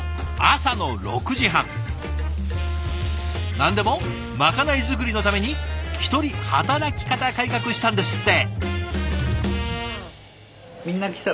何でもまかない作りのために一人働き方改革したんですって。